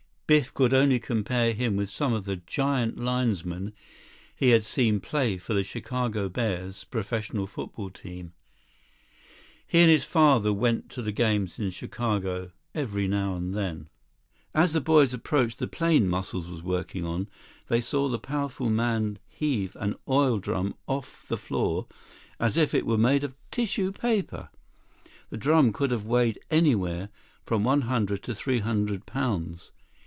Biff could only compare him with some of the giant linesmen he had seen play for the Chicago Bears professional football team. He and his father went to the games in Chicago every now and then. 58 As the boys approached the plane Muscles was working on, they saw the powerful man heave an oil drum off the floor as if it were made of tissue paper. The drum could have weighed anywhere from one hundred to three hundred pounds.